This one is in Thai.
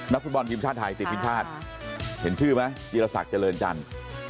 นักฝุ่นบอลภิมศาสตร์ไทยศิษย์ภิมศาสตร์เห็นชื่อไหมยิราศักดิ์เจริญจันทร์